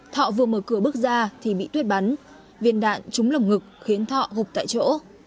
thọ vừa mở cửa bước ra thì bị tuyết bắn viên đạn trúng lồng ngực khiến thọ gục tại chỗ